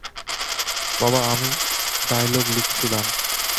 বাবা আমি ডায়লগ লিখছিলাম।